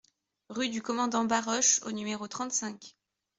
Rue du Commandant Baroche au numéro trente-cinq